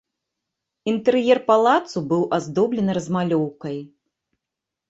Інтэр'ер палацу быў аздоблены размалёўкай.